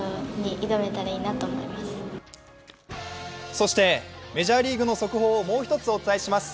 そしてメジャーリーグの速報をもう一つお伝えします。